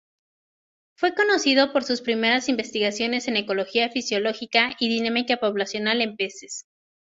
Fue conocido por sus primeras investigaciones en ecología fisiológica y dinámica poblacional en peces.